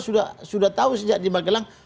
sudah tahu sejak di magelang